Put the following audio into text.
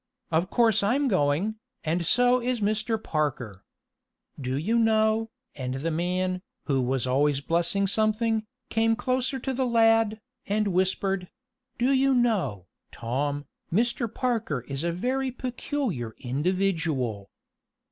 Of course I'm going, and so is Mr. Parker. Do you know," and the man, who was always blessing something, came closer to the lad, and whispered: "Do you know, Tom, Mr. Parker is a very peculiar individual."